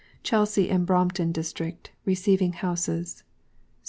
CHELSEA AND BROMPTON DISTRICT. RECEIVING HOUSES.